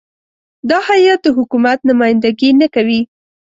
دا هیات د حکومت نمایندګي نه کوي.